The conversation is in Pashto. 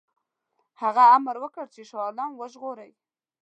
هغه امر وکړ چې شاه عالم وژغوري.